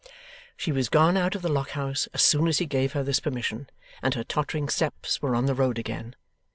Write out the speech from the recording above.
She was gone out of the Lock house as soon as he gave her this permission, and her tottering steps were on the road again.